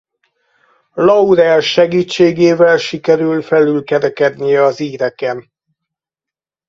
Laurel segítségével sikerül felülkerekednie az íreken.